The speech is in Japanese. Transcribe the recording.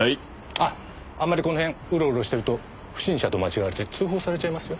あっあんまりこの辺うろうろしてると不審者と間違われて通報されちゃいますよ。